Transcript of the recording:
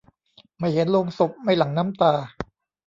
ไม่เห็นโลงศพ ไม่หลั่งน้ำตา